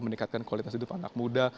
meningkatkan kualitas hidup anak muda